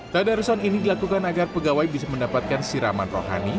tadarusan ini dilakukan agar pegawai bisa mendapatkan siraman rohani